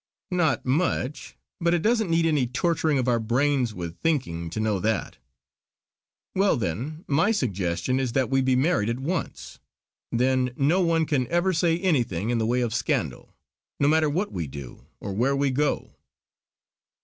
"Not much; but it doesn't need any torturing of our brains with thinking to know that." "Well then my suggestion is that we be married at once. Then no one can ever say anything in the way of scandal; no matter what we do, or where we go!"